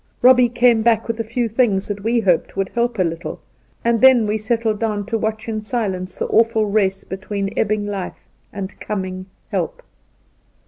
Eobbie came back with a few things that we hoped would help a little, and then we settled down to watch in silence the awful race between ebbing life and coming help.